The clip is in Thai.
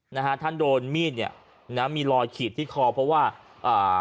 นะฮะท่านโดนมีดเนี่ยนะมีรอยขีดที่คอเพราะว่าอ่า